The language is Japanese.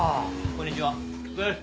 こんにちは。